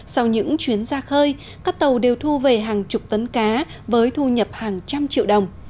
sau những chuyến ra khơi các tàu đều thu về hàng chục tấn cá với thu nhập hàng trăm triệu đồng